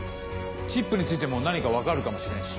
チップについても何か分かるかもしれんし。